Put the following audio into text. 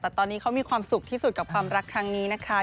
แต่ตอนนี้เขามีความสุขที่สุดกับความรักครั้งนี้นะคะ